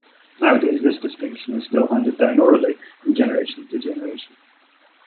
Nowadays this distinction is still handed down orally from generation to generation.